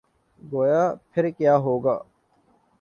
گے، پھر کیا ہو گا؟